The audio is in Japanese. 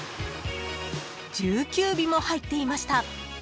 ［１９尾も入っていました］